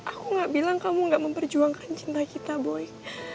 aku gak bilang kamu gak memperjuangkan cinta kita boy